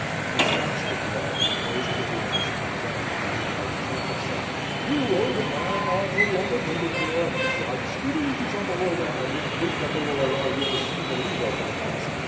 He stanched the blood, closed the wounds, and then, turning to Elyash enka, said: "You, old man, are no longer needed here. Ride speedily to Zaborova and entreat that they will allow you to see the Leader at once.